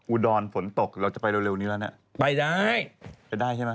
อุดรฝนตกเราจะไปเร็วนี้แล้วเนี่ยไปได้ไปได้ใช่ไหม